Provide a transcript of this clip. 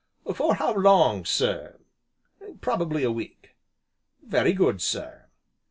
"For how long, sir?" "Probably a week." "Very good, sir."